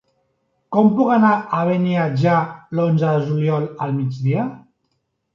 Com puc anar a Beniatjar l'onze de juliol al migdia?